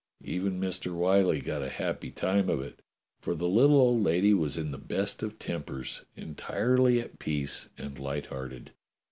Even Mr. Whyllie got a happy time of it, for the little old lady was in the best of tempers, entirely at peace and light hearted.